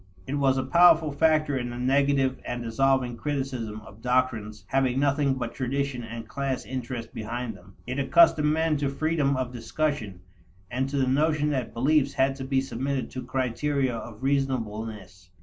It was a powerful factor in the negative and dissolving criticism of doctrines having nothing but tradition and class interest behind them; it accustomed men to freedom of discussion and to the notion that beliefs had to be submitted to criteria of reasonableness.